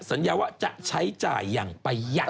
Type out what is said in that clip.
สัญญาว่าจะใช้จ่ายอย่างประยัน